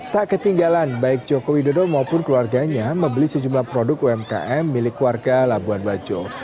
tak ketinggalan baik joko widodo maupun keluarganya membeli sejumlah produk umkm milik warga labuan bajo